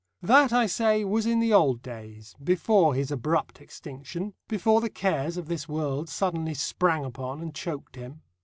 That, I say, was in the old days, before his abrupt extinction, before the cares of this world suddenly sprang upon, and choked him.